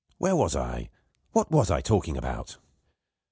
Where was I? What was I talking about?"